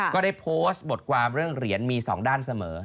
ก็ได้โพสต์บทความเรื่องเหรียญมี๒ด้านเสมอ